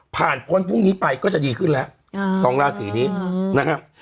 พ้นพรุ่งนี้ไปก็จะดีขึ้นแล้ว๒ราศีนี้นะครับ